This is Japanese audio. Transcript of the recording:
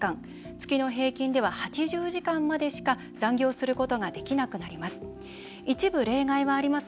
月の平均では８０時間までしか残業することができなくなります。